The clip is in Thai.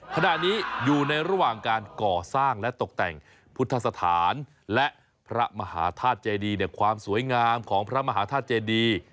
ขณะนี้อยู่ในระหว่างการก่อสร้างและตกแต่งพุทธสถานและพระมหาธาตุเจดีความสวยงามของพระมหาธาตุเจดี